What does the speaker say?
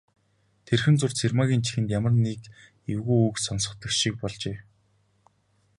Тэрхэн зуур Цэрэгмаагийн чихэнд ямар нэг эвгүй үг сонстох шиг болжээ.